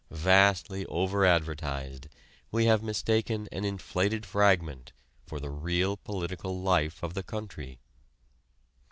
Vastly over advertised, we have mistaken an inflated fragment for the real political life of the country.